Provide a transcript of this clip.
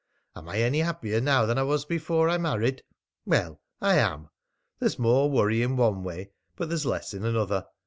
Am I any happier now than I was before I married? Well, I am! There's more worry in one way, but there's less in another.